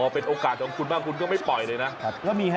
เป็นโอกาสของคุณบ้างคุณก็ไม่ปล่อยเลยนะ